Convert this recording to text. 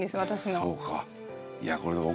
そうか。